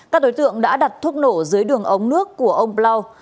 các đối tượng đã đặt thuốc nổ dưới đường ống nước của ông bloo